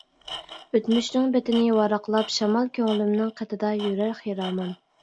ئۆتمۈشنىڭ بېتىنى ۋاراقلاپ شامال، كۆڭلۈمنىڭ قېتىدا يۈرەر خىرامان.